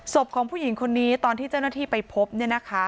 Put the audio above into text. ของผู้หญิงคนนี้ตอนที่เจ้าหน้าที่ไปพบเนี่ยนะคะ